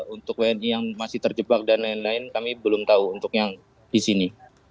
untuk wni yang masih terjebak dan lain lain kami belum tahu untuk yang di sini